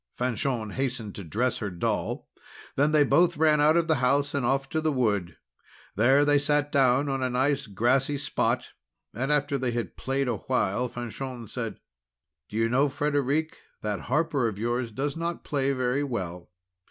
Fanchon hastened to dress her doll, then they both ran out of the house, and off to the wood. There they sat down on a nice grassy spot. And after they had played a while, Fanchon said: "Do you know, Frederic, that harper of yours does not play very well.